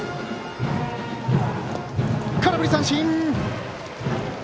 空振り三振！